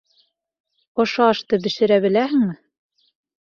— Ошо ашты бешерә беләһеңме?